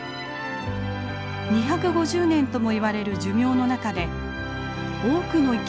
２５０年ともいわれる寿命の中で多くの生き物たちを育んでゆきます。